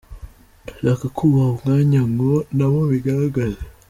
Ndashaka kubaha umwanya ngo nabo bigaragaze.